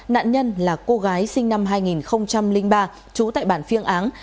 nạn nhân là cô gái sinh năm hai nghìn ba trú tại bản phiêng án